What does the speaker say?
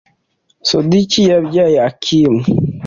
Sadoki yabyaye Akimu,